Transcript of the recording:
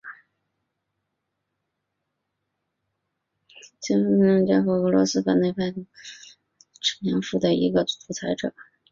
西方评论家和俄罗斯反对派把普京被描述为一个独裁者。